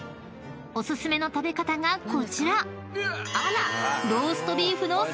［お薦めの食べ方がこちら］